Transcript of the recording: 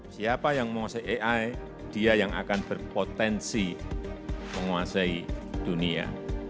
siapa yang menguasai ai dia yang akan berpotensi menguasai dunia